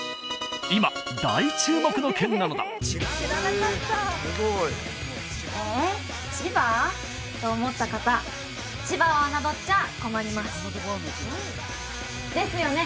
今大注目の県なのだえ千葉？と思った方千葉を侮っちゃ困りますですよね？